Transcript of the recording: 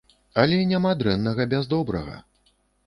Але няма дрэннага без добрага.